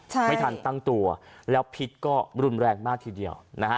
ใช่ไม่ทันตั้งตัวแล้วพิษก็รุนแรงมากทีเดียวนะฮะ